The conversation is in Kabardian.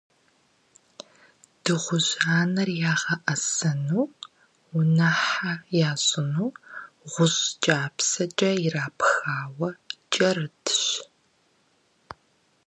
Дыгъужь анэр ягъэӀэсэну, унэхьэ ящӀыну гъущӀ кӀапсэкӀэ ирапхауэ кӀэрытщ.